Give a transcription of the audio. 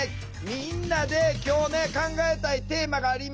みんなで今日ね考えたいテーマがあります。